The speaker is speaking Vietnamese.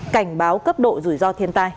cảnh báo cấp độ rủi ro thiên tài